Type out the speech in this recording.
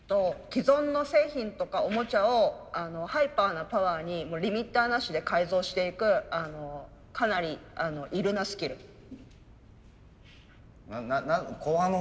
既存の製品とかオモチャをハイパーなパワーにリミッターなしで改造していくかなりな何後半のほうなんつった？